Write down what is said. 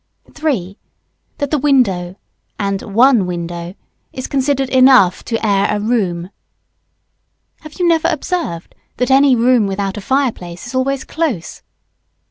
3. That the window, and one window, is considered enough to air a room. Have you never observed that any room without a fire place is always close?